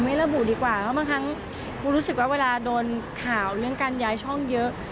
ไม่ระบุดีกว่าเพราะบางครั้งปูรู้สึกว่าเวลาโดนข่าวเรื่องการย้ายช่องเยอะ